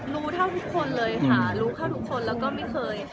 รู้เท่าทุกคนเลยค่ะรู้เท่าทุกคนแล้วก็ไม่เคย